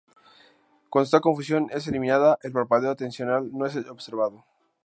Cuando esta confusión es eliminada, el parpadeo atencional no es observado.